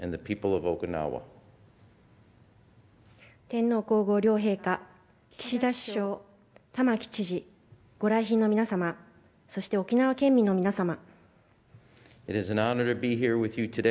天皇皇后両陛下岸田首相、玉城知事御来賓の皆様そして沖縄県民の皆様。